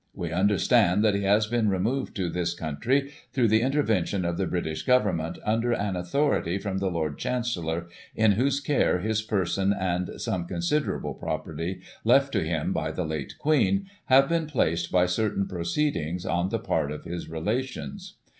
We under stand that he has been removed to this country through the intervention of the British Government, under an authority from the Lord Chancellor, in whose care, his person, and some considerable property, left to him by the late Queen, have been placed by certain proceedings on the part of his relations.